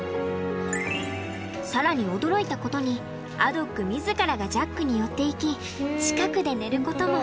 更に驚いたことにアドック自らがジャックに寄っていき近くで寝ることも。